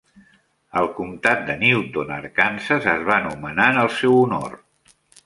El comtat de Newton, a Arkansas, es va anomenar en el seu honor.